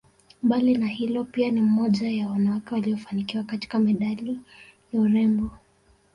Mbali na hilo pia ni mmoja ya wanawake waliofanikiwa katika medani ya urembo